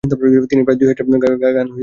তিনি প্রায় দুই হাজার গান রচনা করেছিলেন।